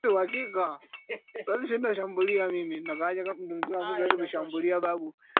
aweza kuwa independent ama tuu unafahamu